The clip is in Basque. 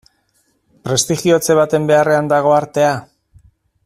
Prestigiotze baten beharrean dago artea?